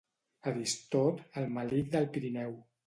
Aristot, el melic del Pirineu.